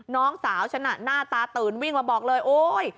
น้องสาวฉันน่ะหน้าตาตื่นวิ่งมาบอกเลยโอ๊ย